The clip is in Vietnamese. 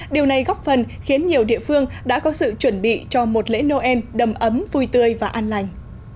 điều này góp phần khiến nhiều địa phương đã có sự chuẩn bị cho một lễ noel đầm ấm vui tươi và an lành